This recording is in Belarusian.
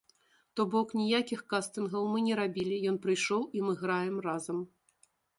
То бок, ніякіх кастынгаў мы не рабілі, ён прыйшоў і мы граем разам!